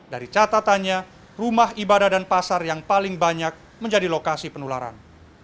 dari catatannya rumah ibadah dan pasar yang paling banyak menjadi lokasi penularan